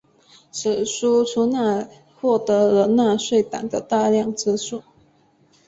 此书的出版获得了纳粹党的大量资助。